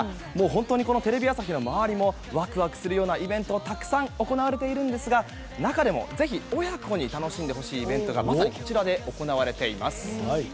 本当にテレビ朝日の周りもわくわくするようなイベントがたくさん行われていますが中でも、ぜひ親子に楽しんでほしいイベントがまさにこちらで行われています。